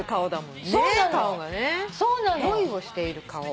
恋をしている顔。